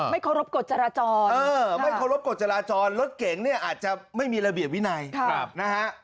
เคารพกฎจราจรไม่เคารพกฎจราจรรถเก๋งเนี่ยอาจจะไม่มีระเบียบวินัยนะฮะ